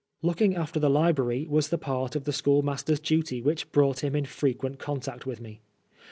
Looking after the library was the part of the school master's duty which brought him in frequent contact with me.